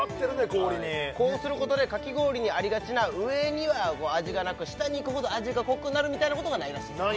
氷にこうすることでかき氷にありがちな上には味がなく下にいくほど味が濃くなるみたいなことがないらしいです